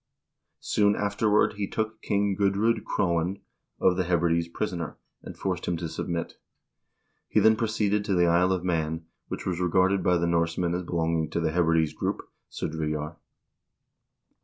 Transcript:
Soon afterward he took King Gudr0d Crowan of the Hebrides prisoner, and forced him to submit. He then proceeded to the Isle of Man, which was regarded by the Norsemen as belonging to the Hebrides group (Sudreyjar).